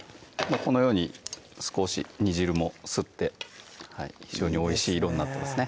このように少し煮汁も吸って非常においしい色になってますね